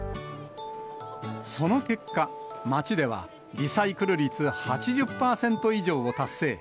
その結果、町では、リサイクル率８０％以上を達成。